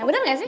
bener gak sih